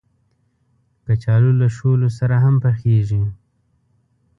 کچالو له شولو سره هم پخېږي